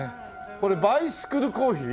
これバイシクルコーヒー？